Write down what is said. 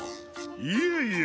いえいえ。